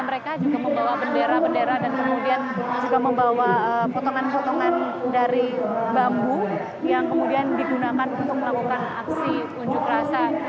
mereka juga membawa bendera bendera dan kemudian juga membawa potongan potongan dari bambu yang kemudian digunakan untuk melakukan aksi unjuk rasa